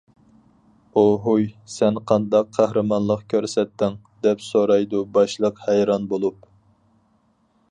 -ئوھۇي! سەن قانداق قەھرىمانلىق كۆرسەتتىڭ، -دەپ سورايدۇ باشلىق ھەيران بولۇپ.